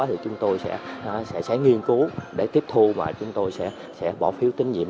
thì chúng tôi sẽ nghiên cứu để tiếp thu và chúng tôi sẽ bỏ phiếu tín nhiệm